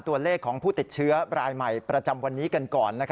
ตัวเลขของผู้ติดเชื้อรายใหม่ประจำวันนี้กันก่อน